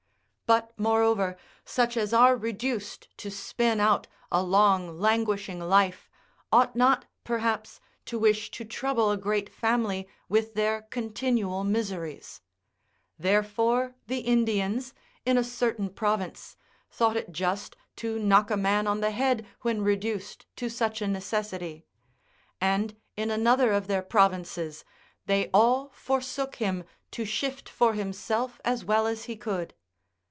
But, moreover, such as are reduced to spin out a long languishing life, ought not, perhaps, to wish to trouble a great family with their continual miseries; therefore the Indians, in a certain province, thought it just to knock a man on the head when reduced to such a necessity; and in another of their provinces, they all forsook him to shift for himself as well as he could.